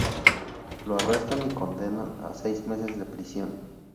Lo arrestan y condenan a seis meses de prisión.